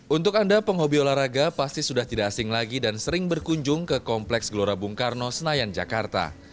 untuk anda penghobi olahraga pasti sudah tidak asing lagi dan sering berkunjung ke kompleks gelora bung karno senayan jakarta